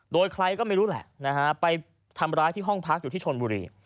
โดยใครก็ไม่รู้แหละนะฮะไปทำร้ายที่ห้องพักอยู่ที่ชนบุรี